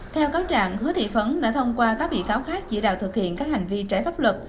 theo cáo trạng hứa thị phấn đã thông qua các bị cáo khác chỉ đạo thực hiện các hành vi trái pháp luật